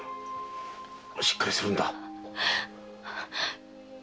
しっかりするんだ。